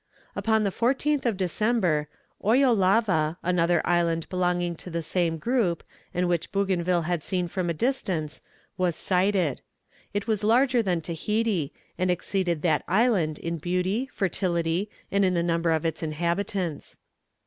Upon the 14th of December, Oyolava, another island belonging to the same group, and which Bougainville had seen from a distance, was sighted. It was larger than Tahiti, and exceeded that island in beauty, fertility, and in the number of its inhabitants.